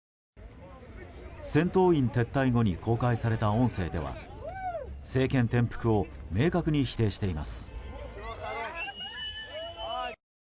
戦闘員撤退後に公開された音声では政権転覆を明確に否定しています。